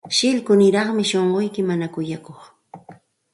Shillkuniraqmi shunquyki, mana kuyakuq.